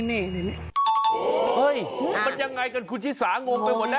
นี่เฮ้ยมันยังไงกันคุณชิสางงไปหมดแล้ว